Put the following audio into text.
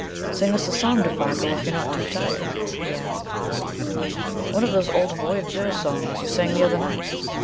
"Sing us a song, Défago, if you're not too tired," he asked; "one of those old voyageur songs you sang the other night."